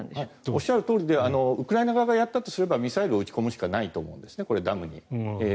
おっしゃるとおりでウクライナ側がやったとすればミサイルを撃ち込むしかないと思うんです、ダムに。